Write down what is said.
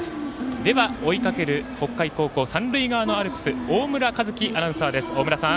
では、追いかける北海高校三塁側のアルプス大村和輝アナウンサーです。